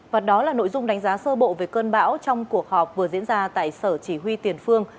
và đó là nội dung đánh giá sơ bộ về cơn bão trong cuộc họp vừa diễn ra tại sở chỉ huy tiền phương